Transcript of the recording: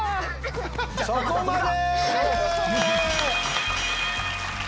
そこまで！